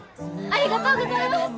ありがとうございます！